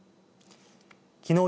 きのう